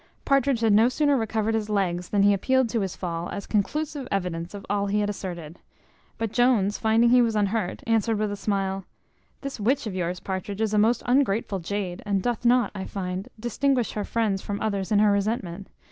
Partridge had no sooner recovered his legs, than he appealed to his fall, as conclusive evidence of all he had asserted; but Jones finding he was unhurt, answered with a smile: "This witch of yours, Partridge, is a most ungrateful jade, and doth not, I find, distinguish her friends from others in her resentment.